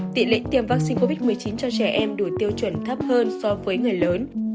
tỷ lệ tiêm vaccine covid một mươi chín cho trẻ em đủ tiêu chuẩn thấp hơn so với người lớn